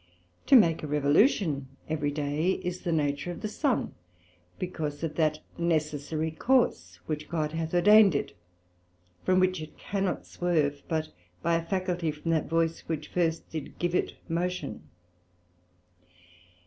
To make a revolution every day, is the Nature of the Sun, because of that necessary course which God hath ordained it, from which it cannot swerve but by a faculty from that voice which first did give it motion.